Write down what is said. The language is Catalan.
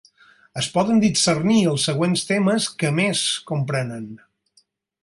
Es poden discernir els següents temes que més comprenen.